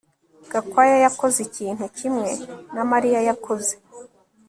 Gakwaya yakoze ikintu kimwe na Mariya yakoze